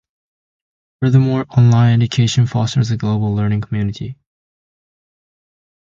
Furthermore, online education fosters a global learning community.